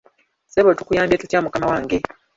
Ssebo tukuyambe tutya mukama wange?